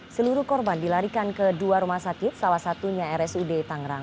seluruh korban dilarikan ke dua rumah sakit salah satunya rsud tangerang